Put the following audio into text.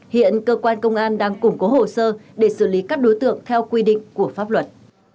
hiện cơ quan công an đang củng cố hồ sơ để xử lý các đối tượng theo quy định của pháp luật